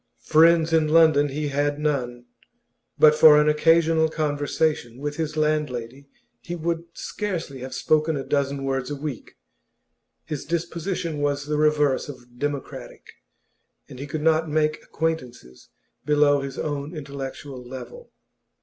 Friends in London he had none; but for an occasional conversation with his landlady he would scarcely have spoken a dozen words in a week. His disposition was the reverse of democratic, and he could not make acquaintances below his own intellectual level.